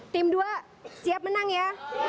tim dua siap menang ya